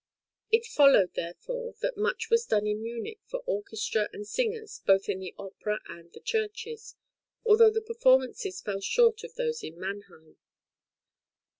It followed, therefore, {WORKS IN GERMANY.} (148) that much was done in Munich for orchestra and singers both in the opera and the churches, although the performances fell short of those in Mannheim.